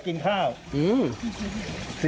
ดีใจ